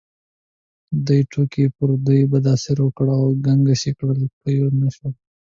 دې ټوکې پر دوی بد تاثیر وکړ او ګنګس یې کړل، پوه نه شول.